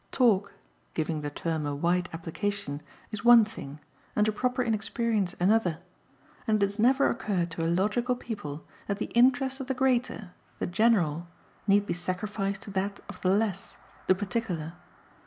Talk giving the term a wide application is one thing, and a proper inexperience another; and it has never occurred to a logical people that the interest of the greater, the general, need be sacrificed to that of the less, the particular.